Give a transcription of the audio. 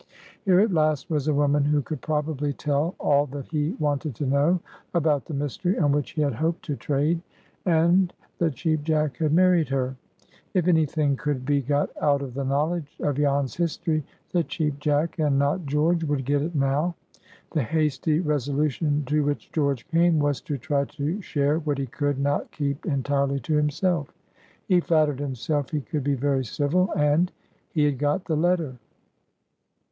Here at last was a woman who could probably tell all that he wanted to know about the mystery on which he had hoped to trade, and—the Cheap Jack had married her. If any thing could be got out of the knowledge of Jan's history, the Cheap Jack, and not George, would get it now. The hasty resolution to which George came was to try to share what he could not keep entirely to himself. He flattered himself he could be very civil, and—he had got the letter.